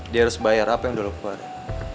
dia harus bayar apa yang udah lo keluarin